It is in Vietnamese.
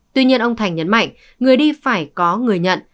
tuy nhiên ông thành nhấn mạnh người đi phải có người nhận